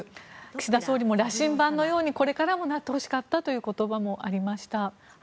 岸田総理も羅針盤のようにこれからもなってほしかったという言葉もありました。